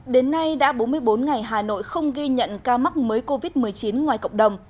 đến nay đã bốn mươi bốn ngày hà nội không ghi nhận ca mắc mới covid một mươi chín ngoài cộng đồng